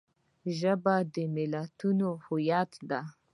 ژبه د ملتونو هویت دی